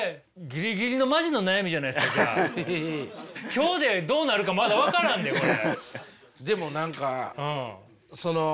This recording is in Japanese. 今日でどうなるかまだ分からんでこれ。